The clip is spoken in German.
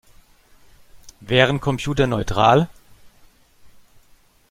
Wären Computer neutral?